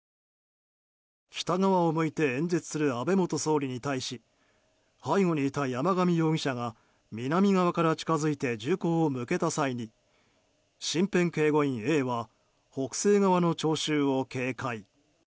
北側を向いて演説する安倍元総理に対し背後にいた山上容疑者が南側から近づいて銃口を向けた際に身辺警護員Ａは北西側の聴衆を警戒。